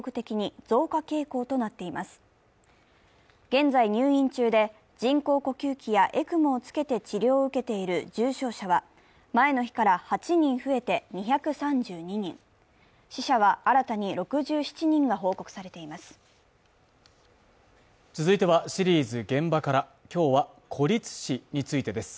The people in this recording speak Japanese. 現在、入院中で人工呼吸器やＥＣＭＯをつけて治療を受けている重症者は前の日から８人増えて２３２人、死者は新たに６７人が報告されています。